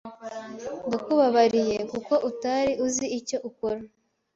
Ndakubabariye kuko utari uzi icyo ukora.